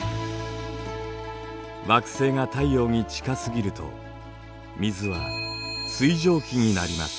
惑星が太陽に近すぎると水は水蒸気になります。